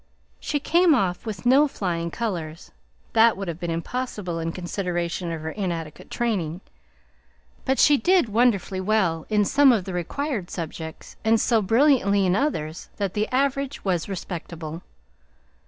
She came off with no flying colors, that would have been impossible in consideration of her inadequate training; but she did wonderfully well in some of the required subjects, and so brilliantly in others that the average was respectable.